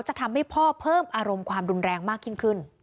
จะทำให้พ่อเพิ่มอารมณ์ความรุนแรงมากยิ่งขึ้น